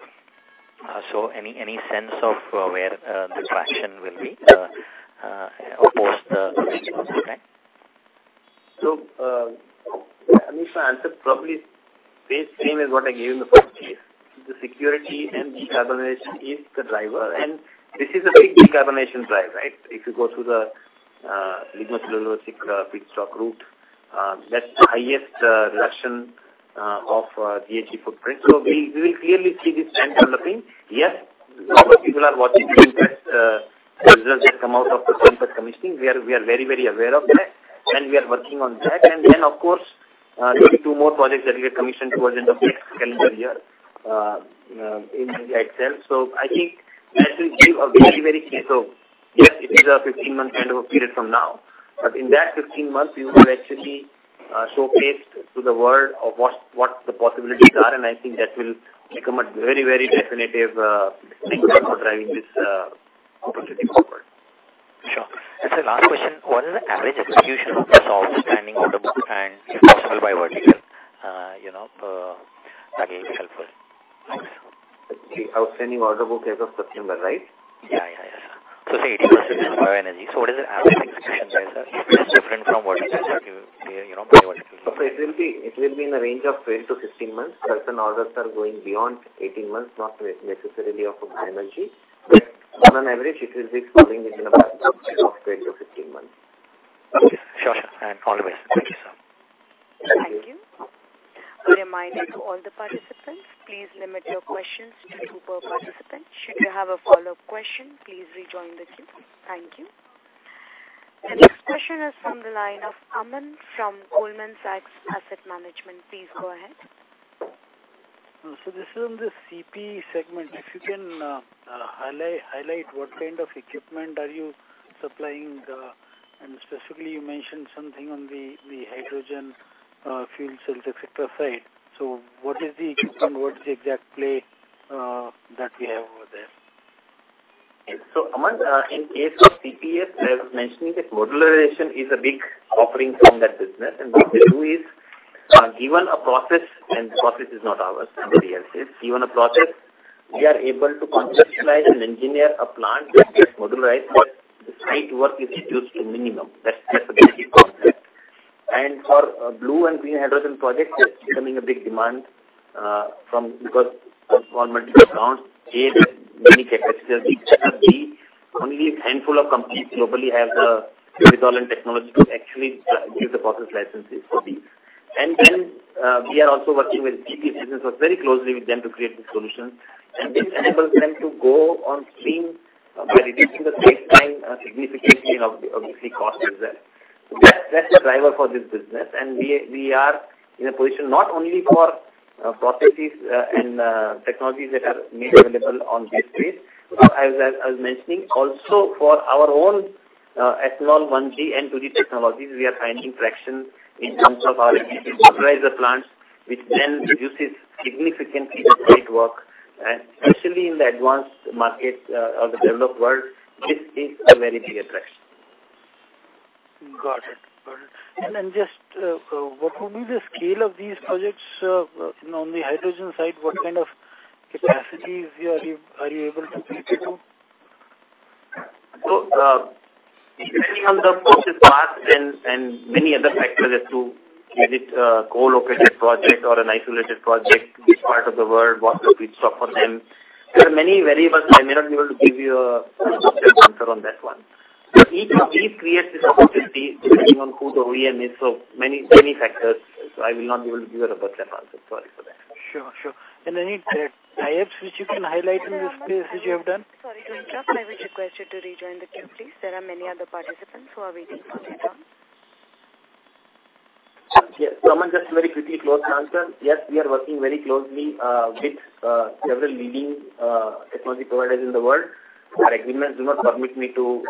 Any sense of where the traction will be post the OMC? I mean, if I answer probably stay same as what I gave in the first case. The certainty and decarbonization is the driver, and this is a big decarbonization drive, right? If you go through the lignocellulosic feedstock route, that's the highest reduction of GHG footprint. We will clearly see this trend developing. Yes, a lot of people are watching the impact results that come out of the first commissioning. We are very aware of that, and we are working on that. Then of course, there'll be two more projects that we are commissioned towards the next calendar year in India itself. I think that will give a very clear. Yes, it is a 15-month kind of a period from now. In that 15 months, we will actually showcase to the world of what the possibilities are. I think that will become a very, very definitive signal for driving this opportunity forward. Sure. Sir, last question. What is the average execution of this outstanding order book and if possible by vertical? That'll be helpful. Thanks. The outstanding order book as of September, right? Yeah. Say 80% is bioenergy. What is the average execution time, if it is different from vertical to vertical, you know, by vertical? It will be in the range of 12-15 months. Certain orders are going beyond 18 months, not necessarily of bioenergy. On an average, it will be falling within a band of 12-15 months. Okay. Sure, sure. All the best. Thank you, sir. Thank you. Thank you. A reminder to all the participants, please limit your questions to two per participant. Should you have a follow-up question, please rejoin the queue. Thank you. The next question is from the line of Aman from Goldman Sachs Asset Management. Please go ahead. This is on the CPE segment. If you can, highlight what kind of equipment are you supplying, and specifically you mentioned something on the hydrogen, fuel cells et cetera side. What is the equipment? What is the exact play that we have over there? Aman, in case of CPE, as I was mentioning that modularization is a big offering from that business. What we do is, given a process, and the process is not ours, somebody else's. Given a process, we are able to conceptualize and engineer a plant that gets modularized, but the site work is reduced to minimum. That's the basic concept. For blue and green hydrogen projects, that's becoming a big demand from because on multiple accounts, A, many catalysts. B, only a handful of companies globally have the resilient technology to actually give the process licenses for these. We are also working with CPE business very closely with them to create this solution. This enables them to go on stream by reducing the space time significantly and obviously cost is there. That's the driver for this business. We are in a position not only for processes and technologies that are made available on this space. As I was mentioning also for our own ethanol 1G and 2G technologies, we are finding traction in terms of our enterprise, the plants, which then reduces significantly the site work, and especially in the advanced market or the developed world, this is a very big attraction. Got it. Just what would be the scale of these projects on the hydrogen side? What kind of capacities are you able to take it to? Depending on the process path and many other factors as to is it a co-located project or an isolated project, which part of the world, what's the feedstock for them? There are many variables. I may not be able to give you a specific answer on that one. Each creates this opportunity depending on who the OEM is. Many factors. I will not be able to give you a robust answer. Sorry for that. Sure, sure. Any tie-ups which you can highlight in this space which you have done? Sorry to interrupt. I will request you to rejoin the queue, please. There are many other participants who are waiting on the line. Yes. Aman just very quickly close the answer. Yes, we are working very closely with several leading technology providers in the world. Our agreements do not permit me to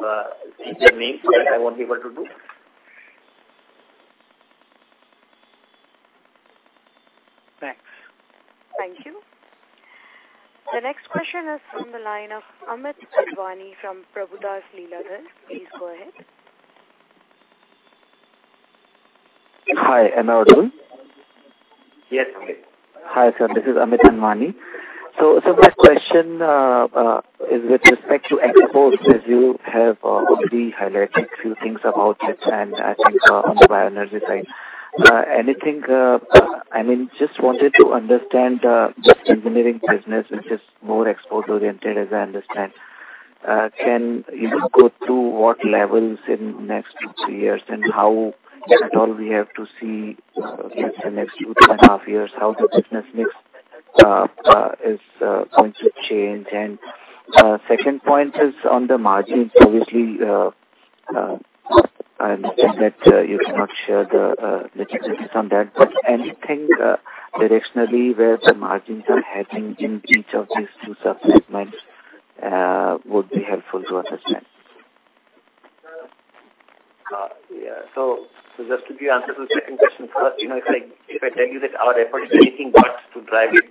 take their names, so I won't be able to do. Thanks. Thank you. The next question is from the line of Amit Anwani from Prabhudas Lilladher. Please go ahead. Hi, Amit Anwani. Yes, Amit. Hi, sir. This is Amit Anwani. My question is with respect to exports, as you have already highlighted few things about it and I think on the bioenergy side. Anything, I mean, just wanted to understand this engineering business which is more export oriented as I understand. Can you go through what levels in next two to three years and how at all we have to see, say next 2.5 years, how the business mix is going to change? Second point is on the margins. Obviously, I understand that you cannot share the details on that. Anything directionally where the margins are heading in each of these two subsegments would be helpful to understand. Yeah. Just to give you answer to the second question first, you know, if I tell you that our efforts are making inroads to drive it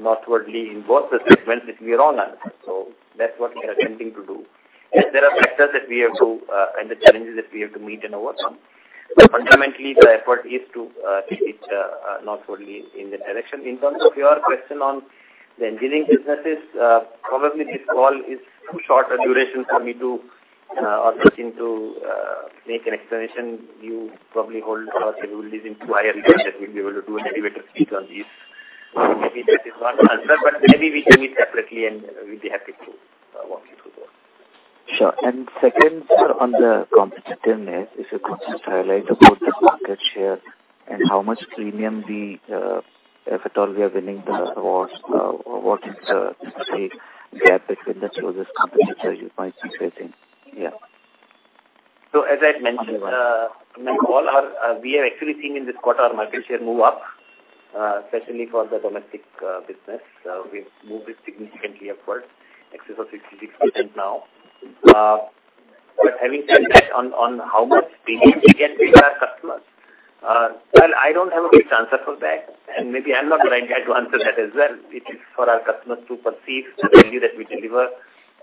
northwardly in both the segments, which we are on. That's what we are attempting to do. Yes, there are factors that we have to and the challenges that we have to meet and overcome. Fundamentally, the effort is to take it northwardly in that direction. In terms of your question on the engineering businesses, probably this call is too short a duration for me to or Sachin to make an explanation. You probably follow us, and we'll dig into higher detail that we'll be able to elaborate on this. Maybe that is one answer, but maybe we can meet separately, and we'll be happy to walk you through that. Sure. Second, sir, on the competitiveness, if you could just highlight about the market share and how much premium we, if at all we are winning the awards, what is the, say, gap between the closest competitor you might see fit in? Yeah. As I've mentioned in the call, we have actually seen in this quarter our market share move up, especially for the domestic business. We've moved it significantly upwards, excess of 66% now. Having said that, on how much premium we can pay our customers, well, I don't have a quick answer for that, and maybe I'm not the right guy to answer that as well. It is for our customers to perceive the value that we deliver.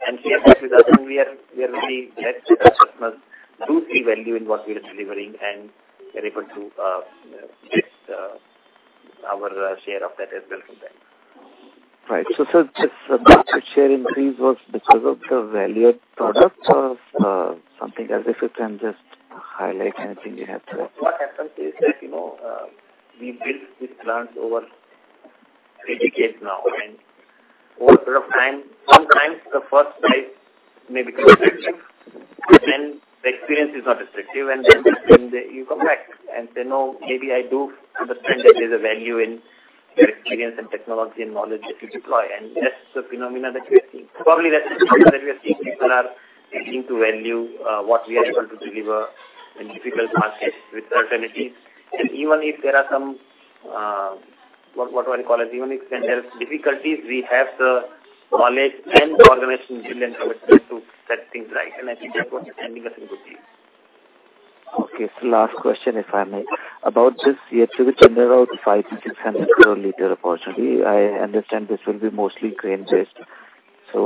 For us, we are really leaving it to the customers to see value in what we are delivering and we're able to get our share of that as well from them. Right. Just the market share increase was because of the valued product or something else, if you can just highlight anything you have there? What happens is that, you know, we built these plants over three decades now. Over time, sometimes the first bite may become expensive, and the experience is not as effective. Then they come back and say, "No, maybe I do understand that there's a value in your experience and technology and knowledge that you deploy." That's the phenomenon that we are seeing. Probably that's the phenomenon that we are seeing. People are beginning to value what we are able to deliver in difficult markets with alternatives. Even if there are some, what do I call it? Even if there are difficulties, we have the knowledge and the organization, skill, and commitment to set things right, and I think that's what is standing us in good stead. Okay. Last question, if I may. About this year to the tender out 500-600 crore liter opportunity, I understand this will be mostly grain-based.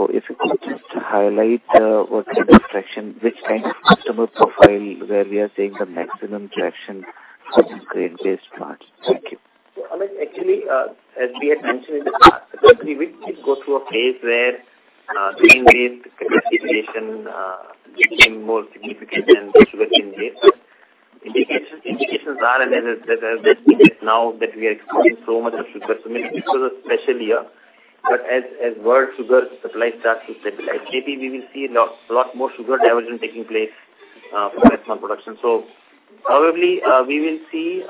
If you could just highlight what kind of traction, which kind of customer profile, where we are seeing the maximum traction for this grain-based plant. Thank you. Amit, actually, as we had mentioned in the past, certainly we did go through a phase where grain-based competition became more significant than sugar-based. Indications are, and as I have mentioned just now, that we are exporting so much of sugar. Maybe this was a special year. As world sugar supply starts to stabilize, maybe we will see a lot more sugar diversion taking place for ethanol production. Probably we will see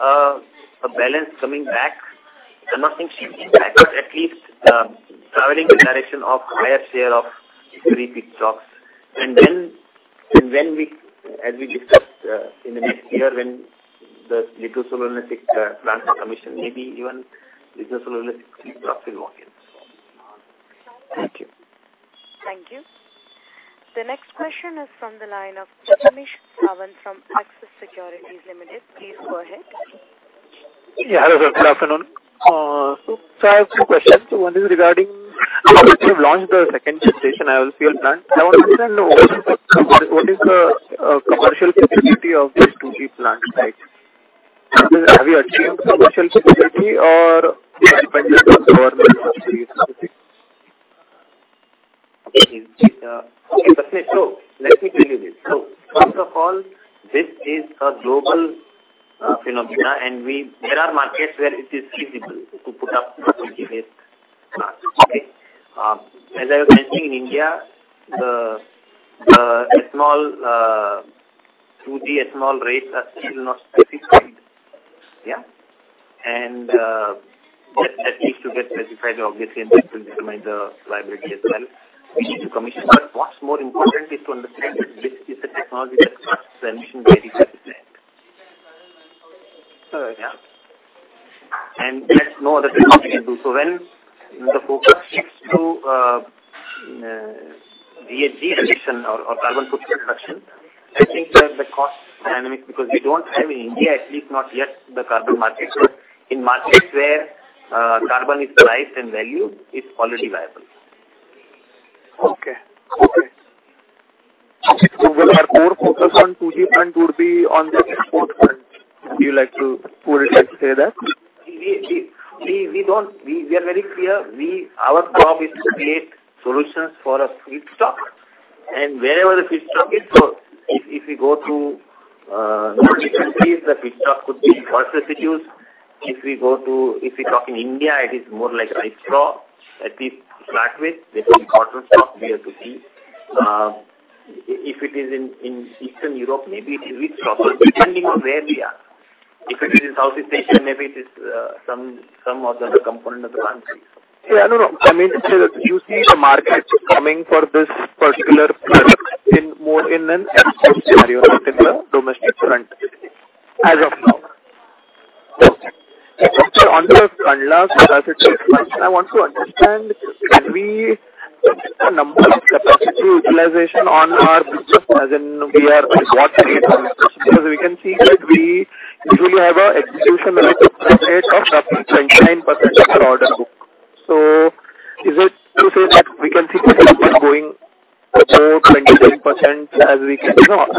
a balance coming back. I'm not saying shift back, but at least traveling in the direction of higher share of three feedstocks. Then when we, as we discussed, in the next year when the glucose anaerobic plant for commission, maybe even glucose anaerobic feedstock markets. Thank you. Thank you. The next question is from the line of Prathamesh Sawant from Axis Securities Limited. Please go ahead. Yeah. Hello, sir. Good afternoon. I have two questions. One is regarding how you've launched the second generation IOCL plant. I want to understand, what is the commercial feasibility of this 2G plant type? Have you achieved commercial feasibility or it's dependent on the government subsidy? Okay. Okay, Prathamesh. Let me tell you this. First of all, this is a global phenomenon, and there are markets where it is feasible to put up 2G-based plants. Okay? As I was mentioning, India, the ethanol 2G ethanol rates are still not specified. Yeah. And that needs to get specified, obviously, and that will determine the viability as well. We need to commission. What's more important is to understand that this is a technology that's not sanctioned by the government. All right. Yeah. There's no other technology to do. When the focus shifts to GHG reduction or carbon footprint reduction, I think that the cost dynamic, because we don't have in India, at least not yet, the carbon market. In markets where carbon is priced and valued, it's already viable. Okay. Will our core focus on 2G plant would be on the export front? Would you like to say that? We are very clear. Our job is to create solutions for a feedstock. Wherever the feedstock is, if we go to different countries, the feedstock could be pulse residues. If we talk in India, it is more like rice straw, at least to start with. That is important stalk we have to see. If it is in Eastern Europe, maybe it is wheat straw, but depending on where we are. If it is in Southeast Asia, maybe it is some other component of the I mean, do you see the markets coming for this particular product in more of an export scenario as in the domestic front as of now? Okay. On the Kandla capacity expansion, I want to understand, can we get the number of capacity utilization on our business as in we are what we are because we can see that we usually have an execution rate of 29% of our order book. Is it to say that we can see this number going above 29% as we cannot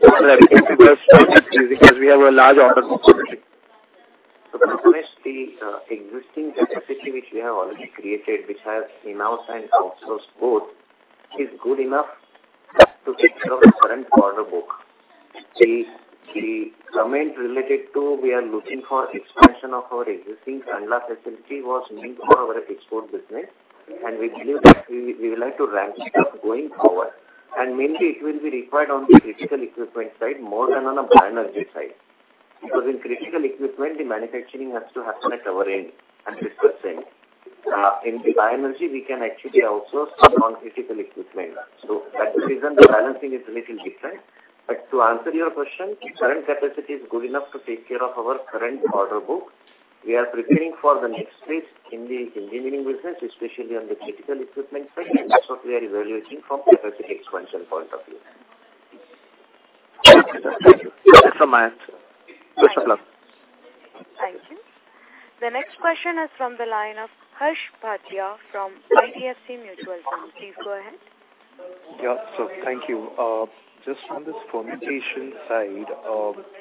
because we have a large order book? Perhaps the existing capacity which we have already created, which has in-house and outsource both, is good enough to take care of the current order book. The comment related to we are looking for expansion of our existing Kandla facility was meant for our export business, and we believe that we will have to ramp it up going forward. Mainly it will be required on the critical equipment side more than on a bioenergy side. Because in critical equipment the manufacturing has to happen at our end and precise end. In the bioenergy we can actually outsource some non-critical equipment. That's the reason the balancing is a little different. To answer your question, current capacity is good enough to take care of our current order book. We are preparing for the next phase in the engineering business, especially on the critical equipment side, and that's what we are evaluating from capacity expansion point of view. Okay, sir. Thank you. That's all my answers. Best of luck. Thank you. The next question is from the line of Harsh Bhatia from IDFC Mutual Fund. Please go ahead. Yeah. Thank you. Just on this fermentation side,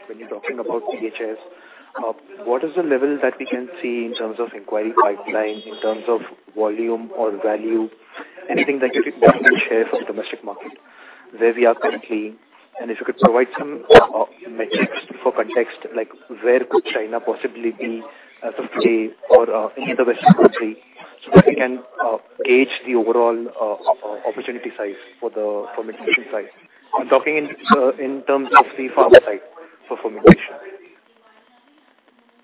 when you're talking about PHS, what is the level that we can see in terms of inquiry pipeline, in terms of volume or value? Anything that you think you can share from domestic market where we are currently, and if you could provide some metrics for context, like where could China possibly be as of today or any other Western country, so that we can gauge the overall opportunity size for the fermentation side. I'm talking in terms of the pharma side for fermentation.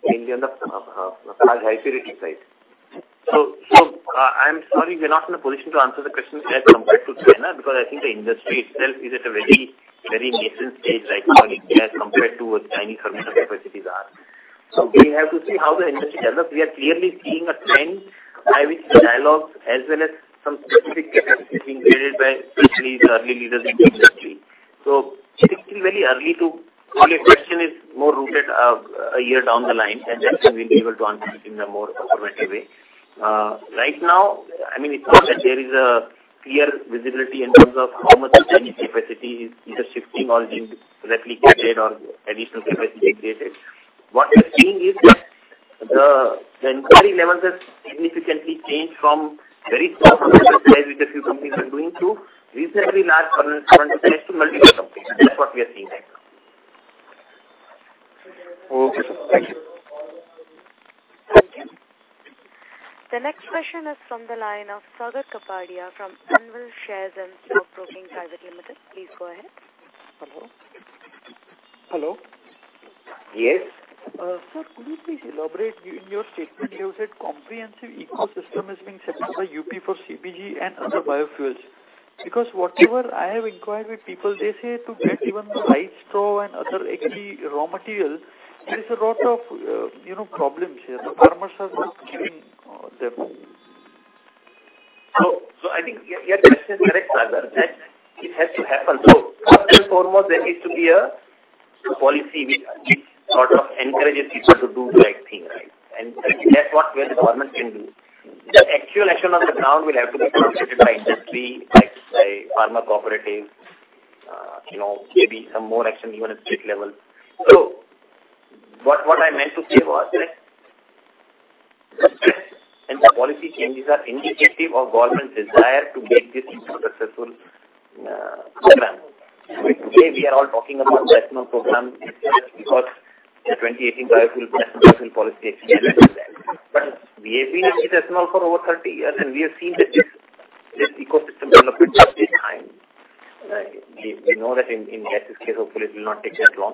In the large high purity side. I'm sorry, we're not in a position to answer the question as compared to China because I think the industry itself is at a very, very nascent stage right now in India as compared to what Chinese fermentation capacities are. We have to see how the industry develops. We are clearly seeing a trend, having some dialogues as well as some specific capacities being created by certainly the early leaders in the industry. It's still very early. Well, your question is more rooted a year down the line, and that's when we'll be able to answer it in a more authoritative way. Right now, I mean, it's not that there is a clear visibility in terms of how much of Chinese capacity is either shifting or being replicated or additional capacity created. What we are seeing is that the inquiry levels have significantly changed from very small sizes which a few companies are doing to reasonably large tonnages to multiple companies. That's what we are seeing right now. Okay, sir. Thank you. Thank you. The next question is from the line of Sagar Kapadia from Anvil Share and Stock Broking Private Limited. Please go ahead. Hello? Hello? Yes. Sir, could you please elaborate? In your statement you said comprehensive ecosystem is being set up by UP for CBG and other biofuels. Because whatever I have inquired with people, they say to get even the rice straw and other agri raw material, there is a lot of, you know, problems here. The farmers are not giving them. I think your question is correct, Sagar, that it has to happen. First and foremost there needs to be a policy which sort of encourages people to do the right thing, right? That's what, where the government can do. The actual action on the ground will have to be facilitated by industry, like by farmer cooperatives, you know, maybe some more action even at state level. What I meant to say was that and the policy changes are indicative of government's desire to make this into a successful program. Today we are all talking about the ethanol program because the 2018 National Biofuel Policy explicitly says that. We have been with ethanol for over 30 years, and we have seen that this ecosystem development takes time. We know that in CNG's case, hopefully it will not take that long.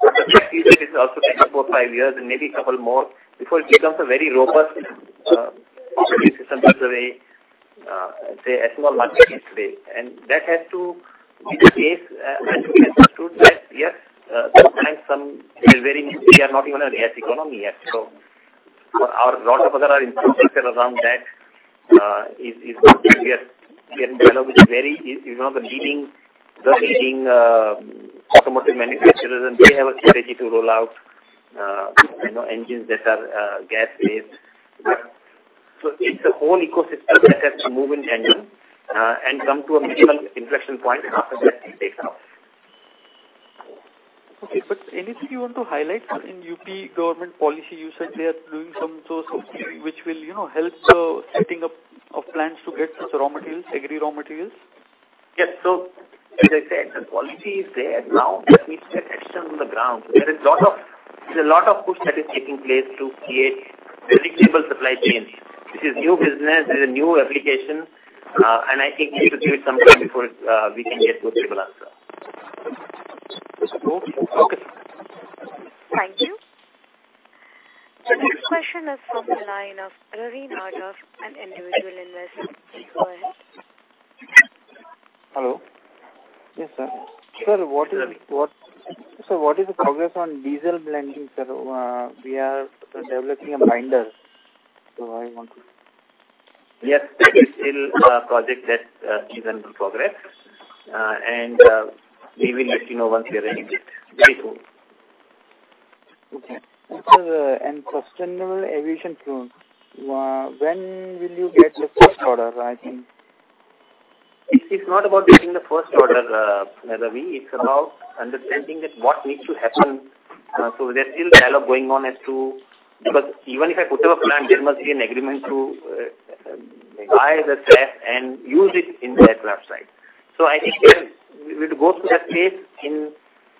The likelihood is it'll also take about five years and maybe a couple more before it becomes a very robust ecosystem just the way say ethanol market is today. That has to be the case, and we can conclude that, yes, it is very new. We are not even a CNG economy yet. India is one of the leading automotive manufacturers, and they have a strategy to roll out you know engines that are CNG-based. It's a whole ecosystem that has to move in tandem and come to a minimal inflection point after which it takes off. Okay. Anything you want to highlight in UP government policy? You said they are doing some source of funding which will, you know, help the setting up of plants to get such raw materials, agri raw materials. Yes. As I said, the policy is there. Now let me say action on the ground. There's a lot of push that is taking place to create predictable supply chains. This is new business, this is a new application, and I think we should give it some time before it, we can get those people answer. Okay. Thank you. The next question is from the line of Ravi Nadar, an individual investor. Go ahead. Hello. Yes, sir. Sir, what is the progress on diesel blending, sir? We are developing a binder, so I want to- Yes, that is still a project that is under progress. We will let you know once we are ready. Very soon. Okay. Sir, on sustainable aviation fuel, when will you get the first order, I think? It's not about getting the first order, Ravi. It's about understanding that what needs to happen. There's still dialog going on as to why. Because even if I put up a plant, there must be an agreement to buy the SAF and use it in the aircraft side. I think we've to go to that place in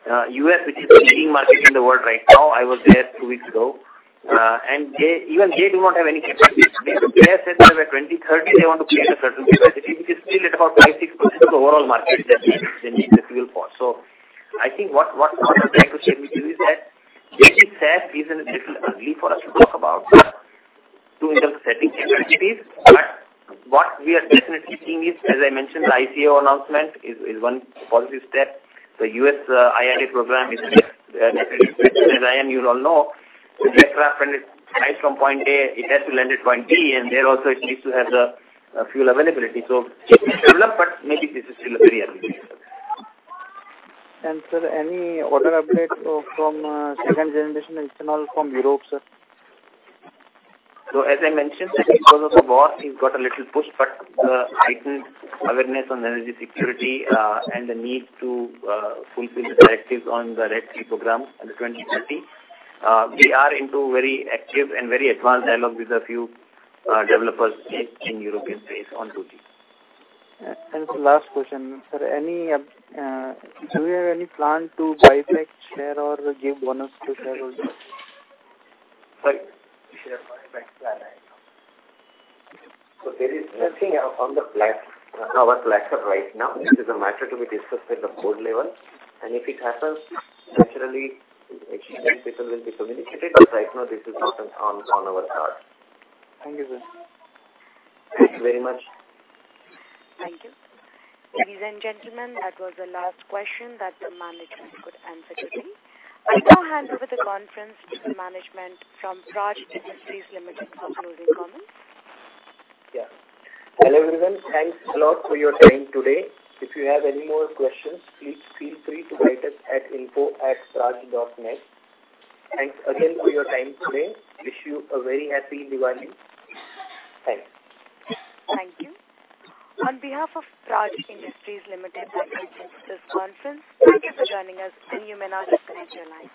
the U.S., which is the leading market in the world right now. I was there two weeks ago. They, even they do not have any capacity. They have said by 2030, they want to create a certain capacity, which is still at about 5-6% of the overall market that they need the fuel for. I think what I'm trying to say with you is that getting SAF is a little early for us to talk about to in terms of setting capacities. What we are definitely seeing is, as I mentioned, the ICAO announcement is one policy step. The U.S. IRA program is definitely present. As I and you all know, the aircraft when it flies from point A, it has to land at point B, and there also it needs to have the fuel availability. This will develop, but maybe this is still a very early stage. Sir, any order update from second generation ethanol from Europe, sir? As I mentioned, because of the war, things got a little pushed, but the heightened awareness on energy security and the need to fulfill the directives on the RED II program under 2030, we are into very active and very advanced dialogue with a few developers in European space on 2G. The last question, sir. Any update, do you have any plan to buy back shares or give bonus to shareholders? Sorry. Share buyback plan, I know. There is nothing on the plan, on our plans as of right now. This is a matter to be discussed at the board level. If it happens, naturally it will be communicated. Right now this is not on our card. Thank you, sir Thank you very much. Thank you. Ladies and gentlemen, that was the last question that the management could answer today. I now hand over the conference to the management from Praj Industries Limited for closing comments. Hello, everyone. Thanks a lot for your time today. If you have any more questions, please feel free to write us at info at Praj dot net. Thanks again for your time today. Wish you a very happy Diwali. Thanks. Thank you. On behalf of Praj Industries Limited, I thank you for this conference. Thank you for joining us, and you may now disconnect your lines.